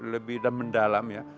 lebih dan mendalam ya